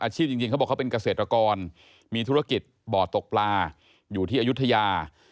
จริงเขาบอกเขาเป็นเกษตรกรมีธุรกิจบ่อตกปลาอยู่ที่อายุทยา